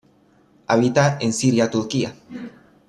Habita en Siria Turquía.